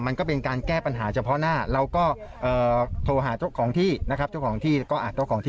มันก็ต้องแก้ปัญหาเฉพาะหน้าไปก่อน